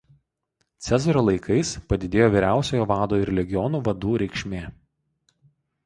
Cezario laikais padidėjo vyriausiojo vado ir legionų vadų reikšmė.